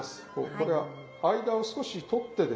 これは間を少し取ってですね。